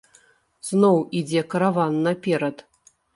Зноў ідзе караван наперад.